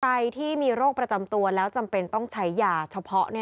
ใครที่มีโรคประจำตัวแล้วจำเป็นต้องใช้ยาเฉพาะ